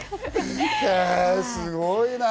すごいな。